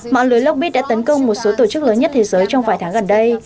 mạng lưới lockpick đã tấn công một số tổ chức lớn nhất thế giới trong vài tháng gần đây